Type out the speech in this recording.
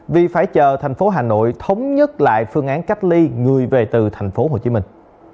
vì phải chờ thành phố hà nội thống nhất lại phương án cách ly người về từ thành phố hồ chí minh